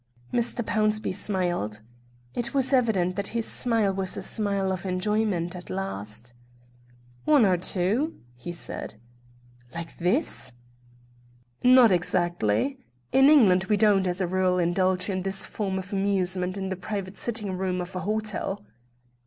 Mr. Pownceby smiled; it was evident that his smile was a smile of enjoyment at last. "One or two," he said. "Like this?" "Not exactly. In England we don't, as a rule, indulge in this form of amusement in the private sitting room of an hotel."